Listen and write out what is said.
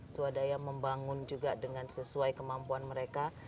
swadaya membangun juga dengan sesuai kemampuan mereka